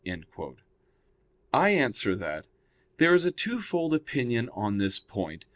I answer that, There is a twofold opinion on this point.